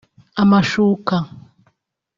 amashuka